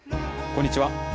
こんにちは。